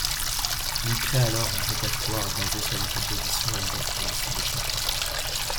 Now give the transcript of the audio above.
Ils créent alors un répertoire basé sur les compositions et les influences de chacun.